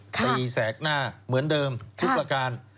ตีแสกหน้าเหมือนเดิมทุกประการ